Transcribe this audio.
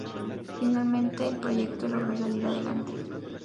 Finalmente el proyecto logró salir adelante.